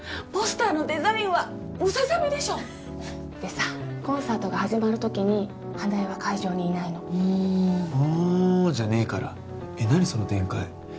ポスターのデザインはムササビでしょでさコンサートが始まるときに花枝は会場にいないのおお「おお」じゃねえからえっ何その展開